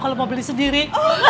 kalo mau beli sendiri